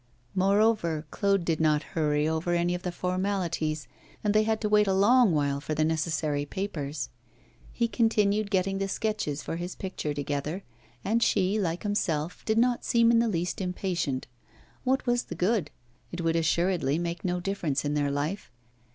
Moreover, Claude did not hurry over any of the formalities, and they had to wait a long while for the necessary papers. He continued getting the sketches for his picture together, and she, like himself, did not seem in the least impatient. What was the good? It would assuredly make no difference in their life.